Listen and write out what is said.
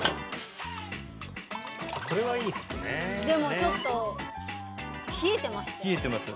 ちょっと冷えてましたよ